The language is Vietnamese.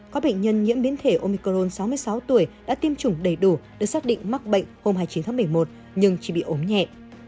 có bệnh nhân nhiễm biến thể omicron sáu mươi sáu tuổi đã tiêm chủng đầy đủ được xác định mắc bệnh hôm hai mươi chín tháng một mươi một nhưng chỉ bị ốm nhẹ